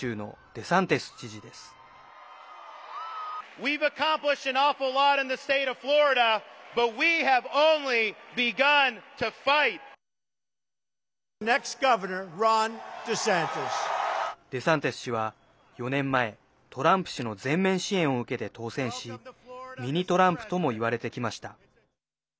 デサンティス氏は４年前トランプ氏の全面支援を受けて当選しミニ・トランプともいわれてきました。